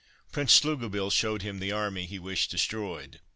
Prince Slugobyl showed him the army he wished destroyed.